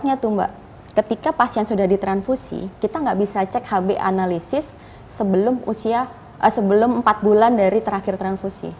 artinya ketika pasien sudah ditransfusi kita nggak bisa cek hb analisis sebelum empat bulan dari terakhir transfusi